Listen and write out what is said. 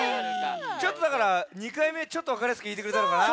ちょっとだから２かいめちょっとわかりやすくひいてくれたのかな？